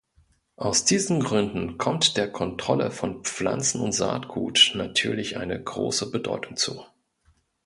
Aus diesen Gründen kommt der Kontrolle von Pflanzen- und Saatgut natürlich eine große Bedeutung zu.